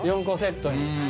４個セットに。